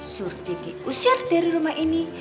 surti diusir dari rumah ini